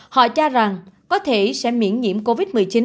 họ cho rằng có thể sẽ miễn nhiễm covid một mươi chín